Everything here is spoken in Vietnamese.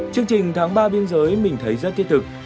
chương trình tháng ba biên giới mình thấy rất thiết thực